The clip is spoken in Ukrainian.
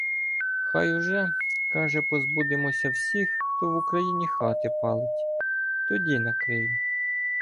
Хай уже, каже, позбудемося всіх, хто в Україні хати палить, тоді накрию.